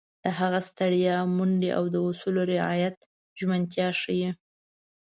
د هغه ستړیا، منډې او د اصولو رعایت ژمنتیا ښيي.